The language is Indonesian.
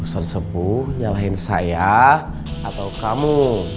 ustaz sepuh nyalahin saya atau kamu